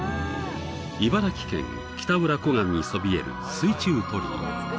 茨城県北浦湖岸にそびえる水中鳥居